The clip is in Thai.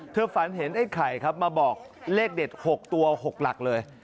ฝันเห็นไอ้ไข่ครับมาบอกเลขเด็ด๖ตัว๖หลักเลย